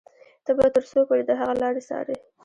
ته به تر څو پورې د هغه لارې څاري.